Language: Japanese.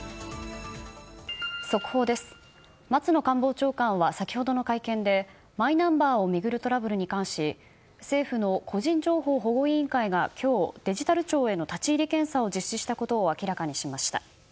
松野官房長官は先ほどの会見でマイナンバーを巡るトラブルに関し政府の個人情報保護委員会が今日、デジタル庁への立ち入り検査を実施したことを明らかにしました。